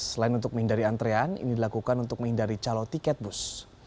selain untuk menghindari antrean ini dilakukan untuk menghindari calo tiket bus